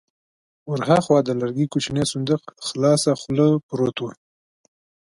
ور هاخوا د لرګي کوچينی صندوق خلاصه خوله پروت و.